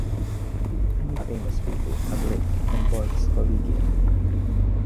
Many famous people have lived in Borchs Kollegium.